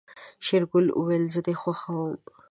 شېرګل وويل زه دې خوښوم.